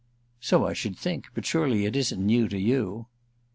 "So I should think—but surely it isn't new to you."